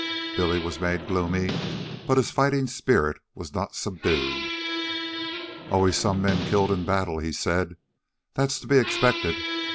Billy was made gloomy, but his fighting spirit was not subdued. "Always some men killed in battle," he said. "That's to be expected.